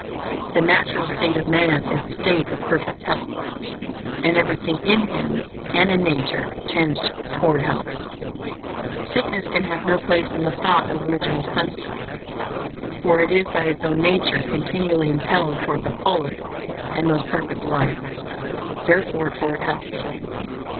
The natural state of man is a state of perfect health; and everything in him, and in nature, tends toward health. Sickness can have no place in the thought of Original Substance, for it is by its own nature continually impelled toward the fullest and most perfect life; therefore, toward health.